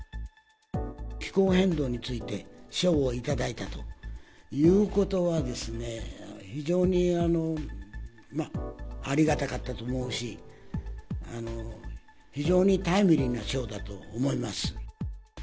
気候変動について賞を頂いたということは、非常にありがたかったと思うし、非常にタイムリーな賞だと思います。